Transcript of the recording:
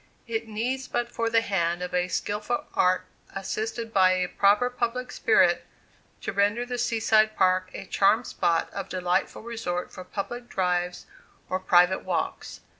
It needs but the hand of skilful art, assisted by a proper public spirit, to render the Sea side Park a charmed spot of delightful resort for public drives or private walks.